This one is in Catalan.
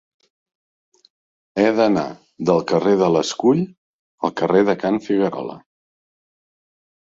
He d'anar del carrer de l'Escull al carrer de Can Figuerola.